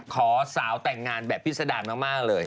ขอสาวแต่งงานแบบพิษดารมากเลย